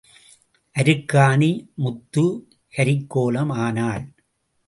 அருக்காணி முத்து கரிக்கோலம் ஆனாள்.